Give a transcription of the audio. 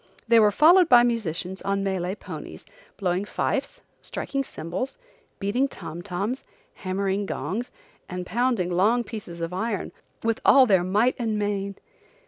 They were followed by musicians on Malay ponies, blowing fifes, striking cymbals, beating tom toms, hammering gongs, and pounding long pieces of iron, with all their might and main.